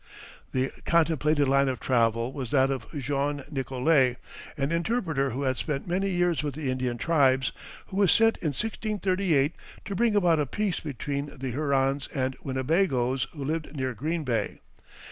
] The contemplated line of travel was that of Jean Nicollet, an interpreter who had spent many years with the Indian tribes, who was sent in 1638 to bring about a peace between the Hurons and Winnebagoes who lived near Green Bay.